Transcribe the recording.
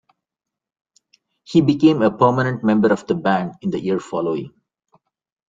He became a permanent member of the band in the year following.